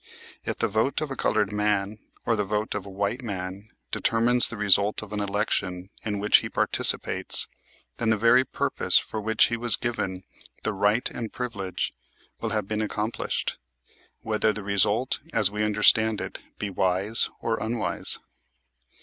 If the vote of a colored man, or the vote of a white man, determines the result of an election in which he participates, then the very purpose for which he was given the right and privilege will have been accomplished, whether the result, as we understand it, be wise or unwise.